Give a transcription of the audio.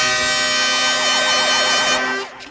ขอบคุณครับครับ